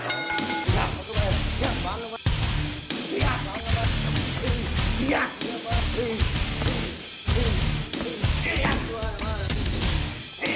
หุ่มหุ่มหุ่ม